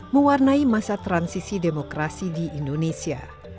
mewarnai masa transisi demokrasi di indonesia